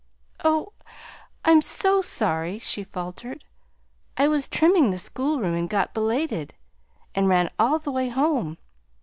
"Oh, I'm so sorry!" she faltered. "I was trimming the schoolroom, and got belated, and ran all the way home.